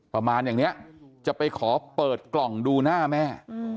ประมาณอย่างนี้จะไปขอเปิดกล่องดูหน้าแม่